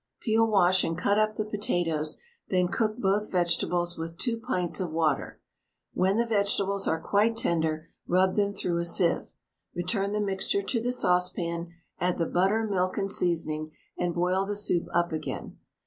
Peel, wash, and cut up the potatoes, then cook both vegetables with 2 pints of water. When the vegetables are quite tender, rub them through a sieve. Return the mixture to the saucepan, add the butter, milk, and seasoning, and boil the soup up again.